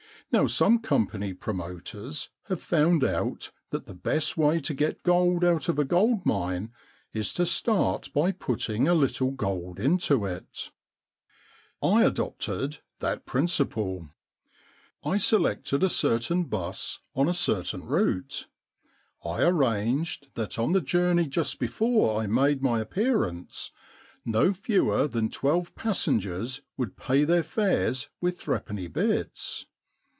Now some company promoters have found out that the best way to get gold out of a gold mine is to start by putting a little gold into it. I adopted that 195 The Problem Club principle. I selected a certain bus on a certain route. I arranged that on the journey just before I made my appearance no fewer than twelve passengers would pay their fares with threepenny bits.